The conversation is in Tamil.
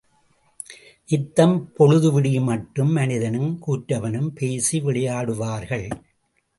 நித்தம் பொழுது விடியுமட்டும் மனிதனுங் கூற்றுவனும் பேசி விளையாடுவார்கள்.